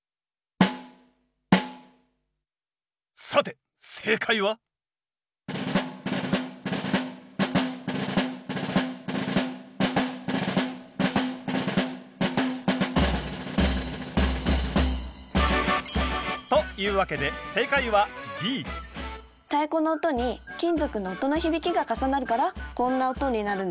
さて正解は？というわけで太鼓の音に金属の音の響きが重なるからこんな音になるんですよ。